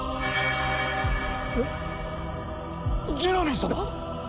えっジェラミー様！？